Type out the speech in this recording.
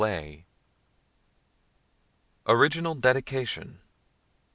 Villars ORIGINAL DEDICATION.